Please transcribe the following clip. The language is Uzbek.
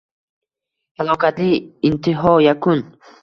Halokatli intiho, yakun!..